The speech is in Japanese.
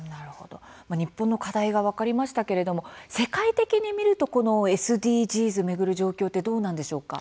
日本の課題は分かりましたけれども世界的に見るとこのＳＤＧｓ巡る状況ってどうなんでしょうか？